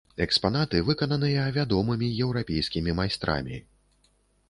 Экспанаты выкананыя вядомымі еўрапейскімі майстрамі.